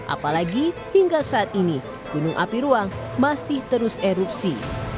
apalagi hingga saat ini gunung api ruang masih terus erupsi